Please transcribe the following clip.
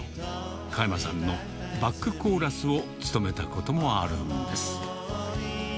加山さんのバックコーラスを務めたこともあるんです。